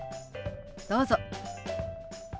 どうぞ。